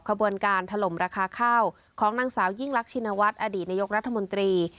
กระบวนการถล่มราคาข้าวของนังสาวยิ่งลักษณวตาดินยกรัฐมนตรี